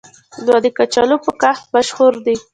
دوی د کچالو په کښت مشهور دي.